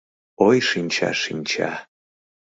Ой, шинча, шинча